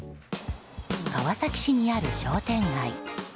川崎市にある商店街。